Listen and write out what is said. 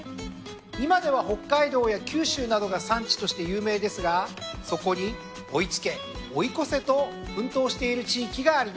今では北海道や九州などが産地として有名ですがそこに追い付け追い越せと奮闘している地域があります。